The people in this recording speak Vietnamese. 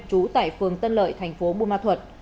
trú tại phường tân lợi thành phố bù ma thuật